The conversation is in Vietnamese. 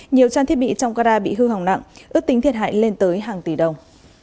nhiều trang thiết bị trong carat bị hư hỏng nặng ước tính thiệt hại lên tới hàng tỷ đồng